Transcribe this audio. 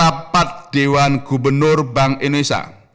rapat dewan gubernur bank indonesia